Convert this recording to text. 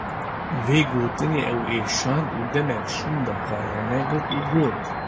Vê gotinê ew êşand û demek şûnda xwe ranegirt û got: